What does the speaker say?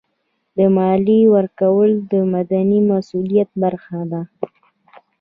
د مالیې ورکول د مدني مسؤلیت برخه ده.